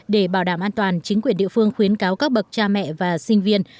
để bảo đảm an toàn chính quyền địa phương khuyến cáo các bậc cha mẹ và sinh viên